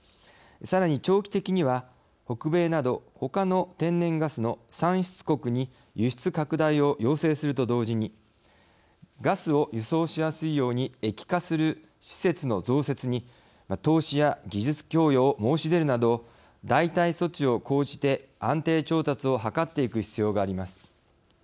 さらに長期的には北米などほかの天然ガスの産出国に輸出拡大を要請すると同時にガスを輸送しやすいように液化する施設の増設に投資や技術供与を申し出るなど代替措置を講じて安定調達を図っていく必要があります。